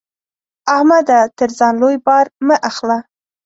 احمده! تر ځان لوی بار مه اخله.